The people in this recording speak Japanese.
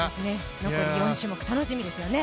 残り４種目、楽しみですよね。